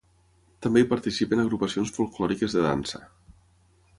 També hi participen agrupacions folklòriques de dansa.